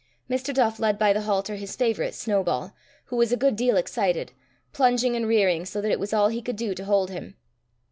Mr. Duff led by the halter his favourite Snowball, who was a good deal excited, plunging and rearing so that it was all he could do to hold him.